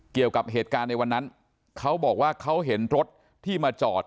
เกี่ยวกับเหตุการณ์ในวันนั้นเขาบอกว่าเขาเห็นรถที่มาจอด